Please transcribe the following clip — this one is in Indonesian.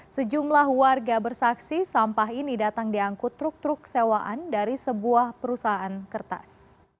sejumlah warga bersaksi sampah ini datang diangkut truk truk sewaan dari sebuah perusahaan kertas